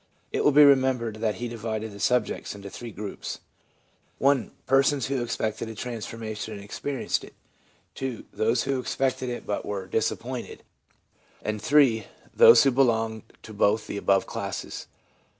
It will be remembered that he divided the subjects into three groups : I., persons who expected a transformation and experienced it; II., those who expected it but were 172 THE PSYCHOLOGY OF RELIGION disappointed ; and III., those who belonged to both the above classes.